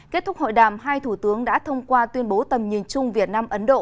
kết thúc hội đàm hai thủ tướng đã thông qua tuyên bố tầm nhìn chung việt nam ấn độ